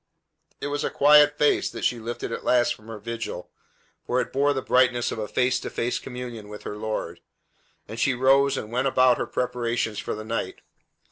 It was a quiet face that she lifted at last from her vigil, for it bore the brightness of a face to face communion with her Lord; and she rose and went about her preparations for the night.